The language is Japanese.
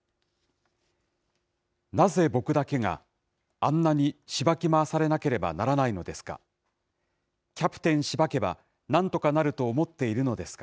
なぜ僕だけがあんなにしばき回されなければならないのですか。